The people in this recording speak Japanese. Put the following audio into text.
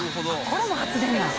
これも発電なん？